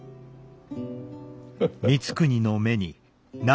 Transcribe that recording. ハハハハ。